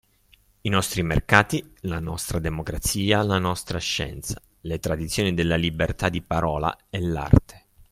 I nostri mercati, la nostra democrazia, la nostra scienza, le tradizioni della libertà di parola, e l'arte.